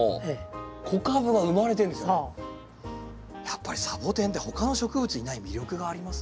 やっぱりサボテンって他の植物にない魅力がありますね。